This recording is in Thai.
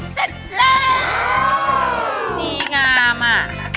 เสร็จแล้วดีงามอ่ะ